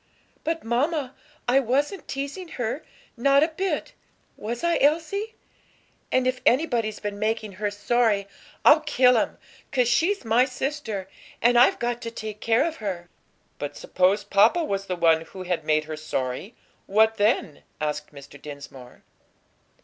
But, mamma, I wasn't teasing her, not a bit; was I, Elsie? And if anybody's been making her sorry, I'll kill him. 'Cause she's my sister, and I've got to take care of her." "But suppose papa was the one who had made her sorry; what then?" asked Mr. Dinsmore.